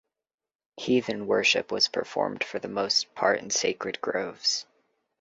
Heathen worship was performed for the most part in sacred groves.